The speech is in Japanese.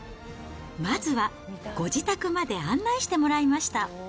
まずはご自宅まで案内してもらいました。